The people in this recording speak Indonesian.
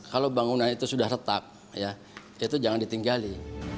kalau bangunan itu sudah retak itu jangan ditinggali